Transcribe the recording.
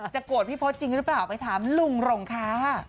จะโกรธพี่พลอร์ตจริงหรือเปล่าไปถามลุงรงค์ค่ะ